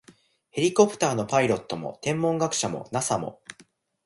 ヘリコプターのパイロットも、天文学者も、ＮＡＳＡ も、